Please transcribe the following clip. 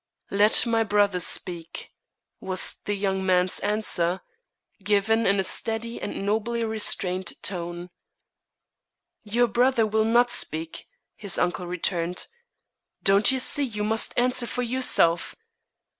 "Let my brother speak," was the young man's answer, given in a steady and nobly restrained tone. "Your brother will not speak," his uncle returned. "Don't you see you must answer for yourself?